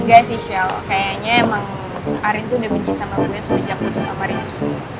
gak sih shel kayaknya emang arin tuh udah benci sama gue semenjak putus sama rifqi